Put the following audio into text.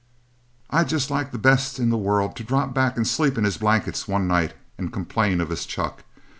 I'd just like the best in the world to drop back and sleep in his blankets one night and complain of his chuck.